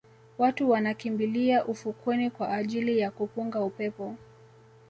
Watu wanakimbilia ufukweni kwa ajili ya kupunga upepo